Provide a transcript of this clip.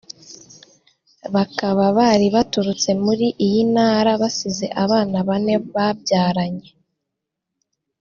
bakaba bari baturutse muri iyi Ntara basize abana bane babyaranye